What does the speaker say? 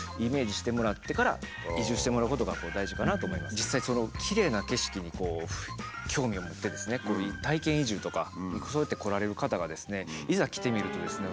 実際そのきれいな景色にこう興味を持ってですね体験移住とかそうやって来られる方がですねいざ来てみるとですね